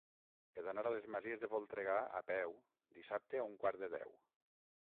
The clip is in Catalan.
He d'anar a les Masies de Voltregà a peu dissabte a un quart de deu.